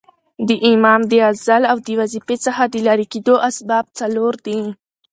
د امام د عزل او د وظیفې څخه د ليري کېدو اسباب څلور دي.